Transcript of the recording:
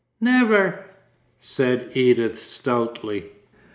'Never,' said Edith stoutly....